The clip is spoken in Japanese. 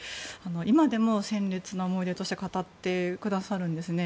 今でも鮮烈な思い出として語ってくださるんですね。